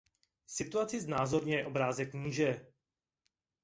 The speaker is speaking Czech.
Situaci znázorňuje obrázek níže.